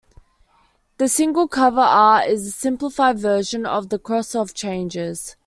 The single cover art is a simplified version of "The Cross of Changes".